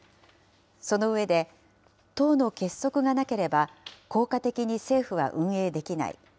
その上で、党の結束がなければ効果的に政府は運営できない。